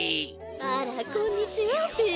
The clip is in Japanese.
あらこんにちはべ。